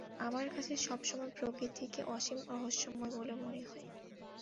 আমার কাছে সব সময় প্রকৃতিকে অসীম রহস্যময় বলে মনে হয়।